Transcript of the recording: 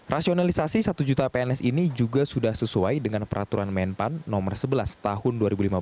rasionalisasi satu juta pns ini juga sudah sesuai dengan peraturan menpan nomor sebelas tahun dua ribu lima belas